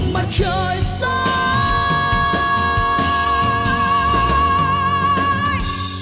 mặt trời xôi